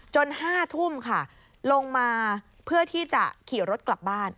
๕ทุ่มค่ะลงมาเพื่อที่จะขี่รถกลับบ้าน